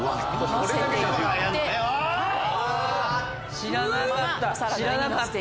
知らなかった！